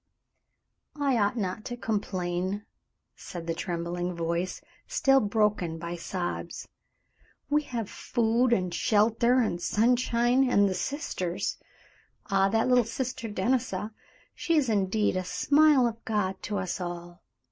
"I ought not to complain," said the trembling voice, still broken by sobs. "We have food and shelter and sunshine and the sisters. Ah, that little Sister Denisa, she is indeed a smile of God to us all.